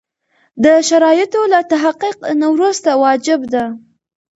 د شرایطو له تحقق نه وروسته واجب ده.